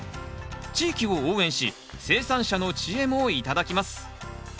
地域を応援し生産者の知恵も頂きます。